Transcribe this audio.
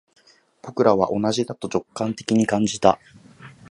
僕らは同じだと直感的に感じた